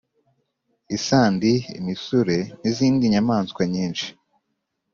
isandi, imisure n'izindi nyamaswa nyinshi